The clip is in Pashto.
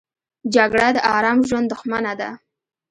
جګړه د آرام ژوند دښمنه ده